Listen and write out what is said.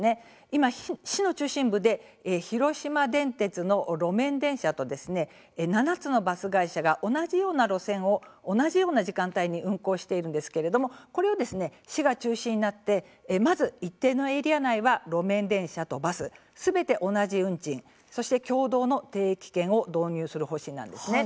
今、市の中心部で広島電鉄の路面電車と７つのバス会社が同じような路線を同じような時間帯に運行しているんですけれどもこれを市が中心になってまず一定のエリア内は路面電車とバスすべて同じ運賃、そして共同の定期券を導入する方針なんです。